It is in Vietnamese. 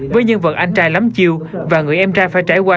với nhân vật anh trai lắm chiêu và người em trai phải trải qua